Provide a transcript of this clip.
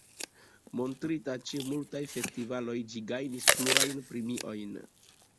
Montrita ĉe multaj festivaloj ĝi gajnis plurajn premiojn.